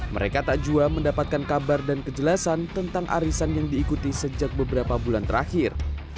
mereka tak jua mendapatkan kabar dan kejelasan tentang arisan yang diikuti sejak beberapa bulan terakhir